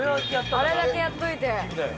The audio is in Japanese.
あれだけやっといて。